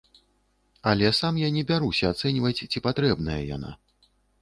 Але сам я не бяруся ацэньваць, ці патрэбная яна.